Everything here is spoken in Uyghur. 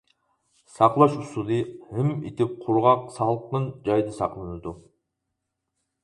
ساقلاش ئۇسۇلى: ھىم ئېتىلىپ قۇرغاق سالقىن جايدا ساقلىنىدۇ.